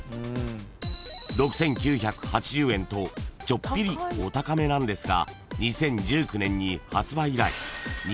［ちょっぴりお高めなんですが２０１９年に発売以来］